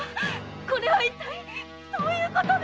これは一体どういうことで。